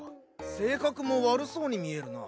性格も悪そうに見えるな。